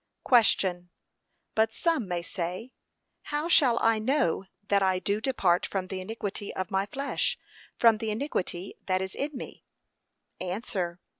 Question. But some may say, how shall I know that I do depart from the iniquity of my flesh, from the iniquity that is in me. Answer.